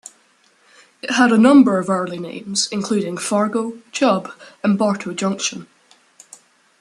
It had a number of early names, including Fargo, Chubb and Bartow Junction.